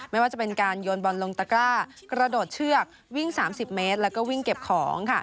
ไม่ว่าจะเป็นการโยนบอลลงตะกร้ากระโดดเชือกวิ่ง๓๐เมตรแล้วก็วิ่งเก็บของ